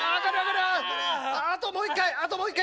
あともう一回！